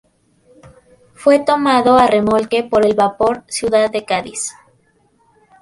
Fue tomado a remolque por el vapor "Ciudad de Cádiz".